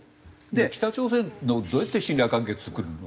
北朝鮮とどうやって信頼関係作るの？